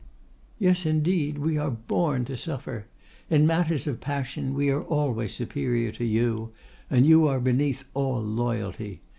—'Yes, indeed, we are born to suffer. In matters of passion we are always superior to you, and you are beneath all loyalty.